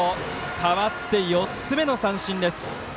代わって４つ目の三振です。